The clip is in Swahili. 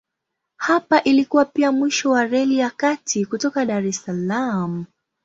Hapa ilikuwa pia mwisho wa Reli ya Kati kutoka Dar es Salaam.